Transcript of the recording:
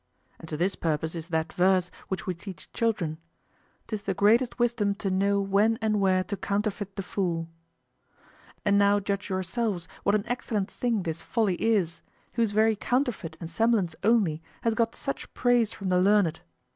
And to this purpose is that verse which we teach children, "'Tis the greatest wisdom to know when and where to counterfeit the fool." And now judge yourselves what an excellent thing this folly is, whose very counterfeit and semblance only has got such praise from the learned.